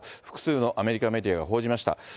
複数のアメリカメディアが報じました。